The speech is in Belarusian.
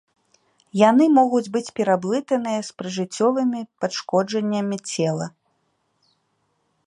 Яны могуць быць пераблытаныя з прыжыццёвымі пашкоджаннямі цела.